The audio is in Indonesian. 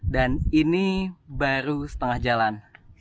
dan ini baru setengah jalan